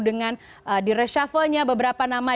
dengan di reshuffle nya beberapa nama